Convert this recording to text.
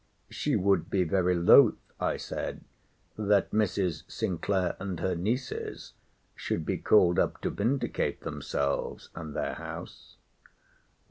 She would be very loth, I said, that Mrs. Sinclair and her nieces should be called up to vindicate themselves and their house.